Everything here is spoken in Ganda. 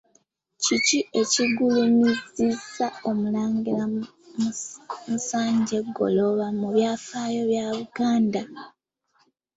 Kiki ekigulumizisa Omulangira Musanje Ggolooba mu byafaayo bya Buganda?